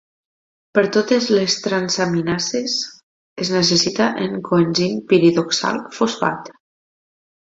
Per totes les transaminases es necessita en coenzim piridoxal fosfat.